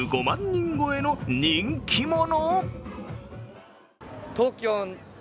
人超えの人気者。